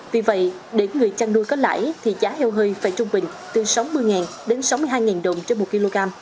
vì vậy để người chăn nuôi có lãi thì giá heo hơi phải trung bình từ sáu mươi đến sáu mươi hai đồng trên một kg